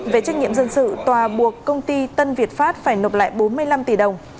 về trách nhiệm dân sự tòa buộc công ty tân việt pháp phải nộp lại bốn mươi năm tỷ đồng